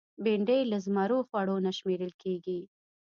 بېنډۍ له زمرو خوړو نه شمېرل کېږي